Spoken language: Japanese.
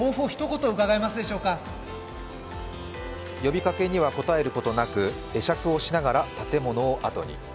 呼びかけには答えることなく、会釈をしながら建物を後に。